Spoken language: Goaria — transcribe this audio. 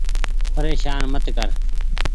پريشان مت ڪر ۔